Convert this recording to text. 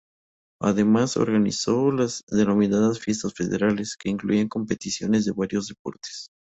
Además, organizó las denominadas Fiestas Federales, que incluían competiciones de varios deportes.